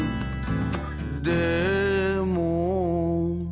「でも」